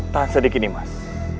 tahan sedikit nimas